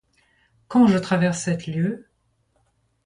Quand je traverse cette lieue